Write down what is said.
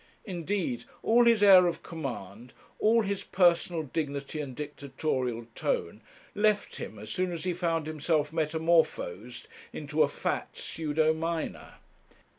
Indeed, all his air of command, all his personal dignity and dictatorial tone, left him as soon as he found himself metamorphosed into a fat pseudo miner.